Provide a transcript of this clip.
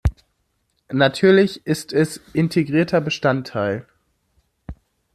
Natürlich ist es integrierter Bestandteil!